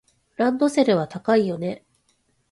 ランドセルは高いよね。